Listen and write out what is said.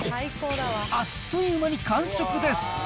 あっという間に完食です。